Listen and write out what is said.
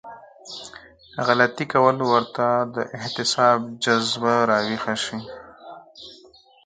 غلطي کول ورته د احتساب جذبه راويښه شي.